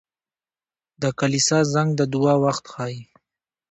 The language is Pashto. • د کلیسا زنګ د دعا وخت ښيي.